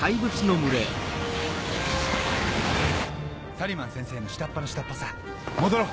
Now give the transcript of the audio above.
サリマン先生の下っ端の下っ端さ戻ろう。